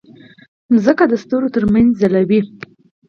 مځکه د ستورو ترمنځ ځلوي.